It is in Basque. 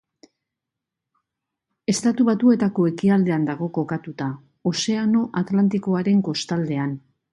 Estatu Batuetako ekialdean dago kokatuta, Ozeano Atlantikoaren kostaldean.